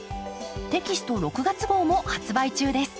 テキスト６月号も発売中です。